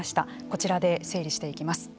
こちらで整理していきます。